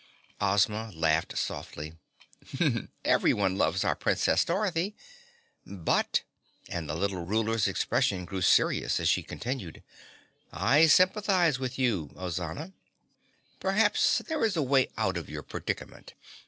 Ozma laughed softly. "Everyone loves our Princess Dorothy. But," and the Little Ruler's expression grew serious as she continued, "I sympathize with you, Ozana. Perhaps there is a way out of your predicament.